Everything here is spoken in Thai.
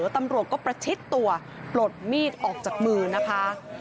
ตำรวจก็ประชิดตัวปลดมีดออกจากมือนะคะ